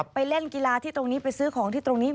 ไปเล่นกีฬาที่ตรงนี้ไปซื้อของที่ตรงนี้